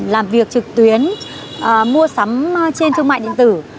làm việc trực tuyến mua sắm trên thương mại điện tử